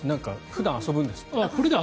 普段遊ぶんですって。